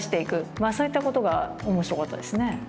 まあそういったことが面白かったですね。